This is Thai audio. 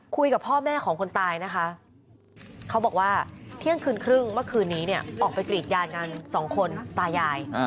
คุยกับพ่อแม่ของคนตายนะคะเขาบอกว่าเที่ยงคืนครึ่งเมื่อคืนนี้เนี่ยออกไปกรีดยางกันสองคนตายาย